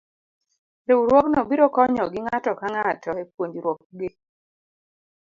Riwruogno biro konyogi ng'ato ka ng'ato e puonjruok gi.